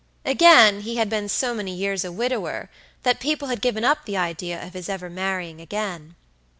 Again, he had been so many years a widower that people had given up the idea of his ever marrying again.